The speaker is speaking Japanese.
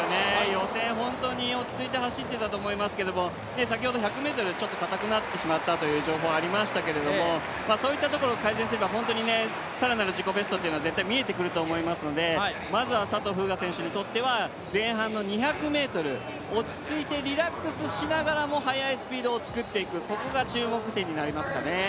予選、本当に落ち着いて走っていたと思いますけど、先ほど１００ｍかたくなってしまったという情報ありましたけれどもそういったところを改善すれば、更なる自己ベストは見えてくると思いますので、まずは佐藤風雅選手にとっては前半の２００ｍ落ち着いてリラックスしながらも速いスピードを作っていく、ここが注目点になりますかね。